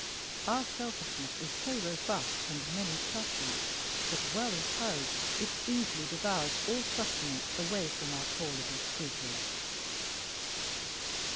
Our selfishness is so robust and many clutching, that, well encouraged, it easily devours all sustenance away from our poor little scruples.